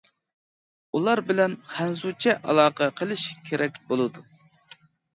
ئۇلار بىلەن خەنزۇچە ئالاقە قىلىش كېرەك بولىدۇ.